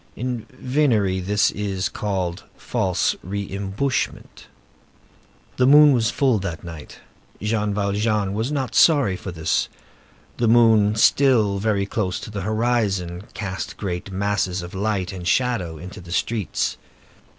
In venery this is called false re imbushment. The moon was full that night. Jean Valjean was not sorry for this. The moon, still very close to the horizon, cast great masses of light and shadow in the streets.